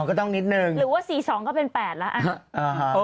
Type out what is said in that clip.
ก็ต้องนิดนึงหรือว่า๔๒ก็เป็น๘แล้ว